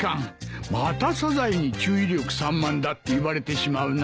またサザエに注意力散漫だって言われてしまうな。